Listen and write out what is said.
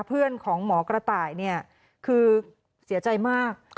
เพื่อนของหมอกระต่ายคือเสียใจมาก